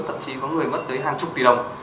thậm chí có người mất tới hàng chục tỷ đồng